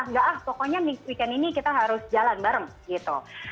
nggak ah pokoknya weekend ini kita harus jalan bareng gitu